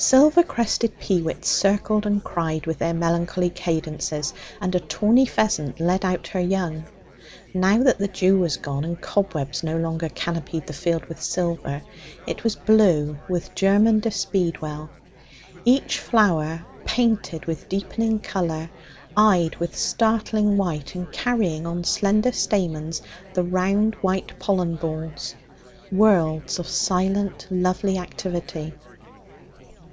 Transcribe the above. Silver crested peewits circled and cried with their melancholy cadences, and a tawny pheasant led out her young. Now that the dew was gone, and cobwebs no longer canopied the field with silver, it was blue with germander speedwell each flower painted with deepening colour, eyed with startling white, and carrying on slender stamens the round white pollen balls worlds of silent, lovely activity.